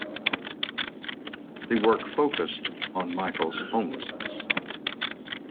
The work focused on Michael's homelessness.